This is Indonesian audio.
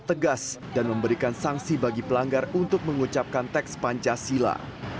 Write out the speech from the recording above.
tegas dan memberikan sanksi bagi pelanggar untuk mengucapkan teks pancasila